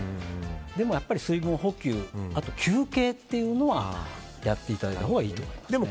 でも、水分補給あと休憩というのはやっていただいたほうがいいと思います。